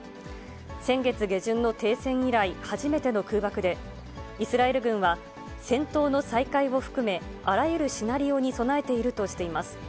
先月下旬の停戦以来、初めての空爆で、イスラエル軍は戦闘の再開を含め、あらゆるシナリオに備えているとしています。